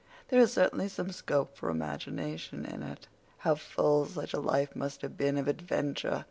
There is certainly some 'scope for imagination' in it. How full such a life must have been of adventure!